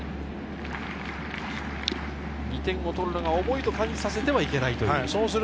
２点を取るのが重いと感じさせてはいけないんですね。